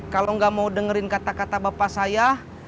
kalau nggak mau dengerin kata kata bapak saya